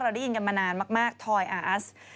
ได้ยินกันมานานมากทอยอาอัส